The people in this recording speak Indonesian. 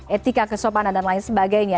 etika kesopanan dan lain sebagainya